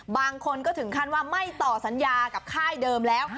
บางคนก็ถึงขั้นว่าไม่ต่อสัญญากับค่ายเดิมแล้ว